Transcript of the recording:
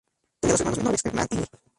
Tenía dos hermanos menores, Herman y Lee.